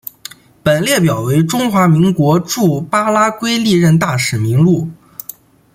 本列表为中华民国驻巴拉圭历任大使名录。